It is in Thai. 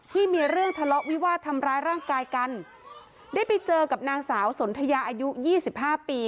ที่มีเรื่องทะเลาะวิวาดทำร้ายร่างกายกันได้ไปเจอกับนางสาวสนทยาอายุยี่สิบห้าปี